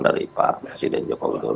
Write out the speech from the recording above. dari pak presiden jokowi